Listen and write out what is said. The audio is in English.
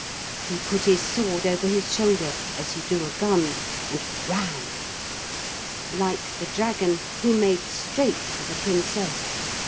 He put his sword over his shoulder as you do a gun, and ran. Like the dragon he made straight for the Princess.